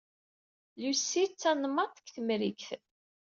Lucy d tanemadt seg Temrikt.